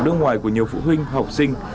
đường ngoài của nhiều phụ huynh học sinh